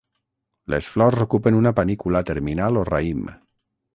Les flors ocupen una panícula terminal o raïm.